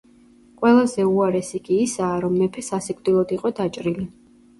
ყველაზე უარესი კი ისაა რომ მეფე სასიკვდილოდ იყო დაჭრილი.